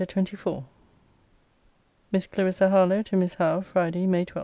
LETTER XXIV MISS CLARISSA HARLOWE, TO MISS HOWE FRIDAY, MAY 12.